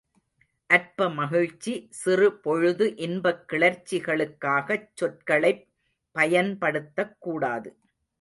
அற்ப மகிழ்ச்சி, சிறுபொழுது இன்பக் கிளர்ச்சிகளுக்காகச் சொற்களைப் பயன்படுத்தக்கூடாது.